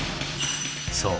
そう！